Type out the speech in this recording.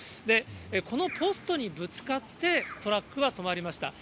このポストにぶつかってトラックは止まりました。